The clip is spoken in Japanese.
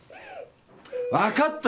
分かったよ。